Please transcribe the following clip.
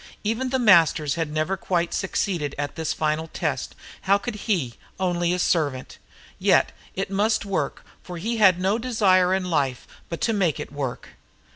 Even The Masters had never quite succeeded at this final test, how could he, only a servant? Yet it must work for he had no desire in life but to make it work.